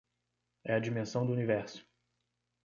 É a dimensão do universo.